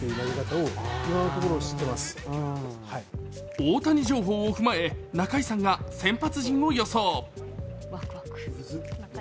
大谷情報も踏まえ、中居さんが先発陣を予想。